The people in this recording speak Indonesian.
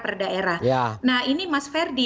per daerah nah ini mas ferdi